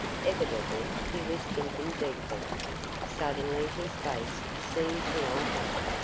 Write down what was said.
Evidently he was thinking deeply. Suddenly his face seemed to light up.